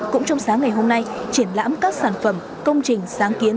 cũng trong sáng ngày hôm nay triển lãm các sản phẩm công trình sáng kiến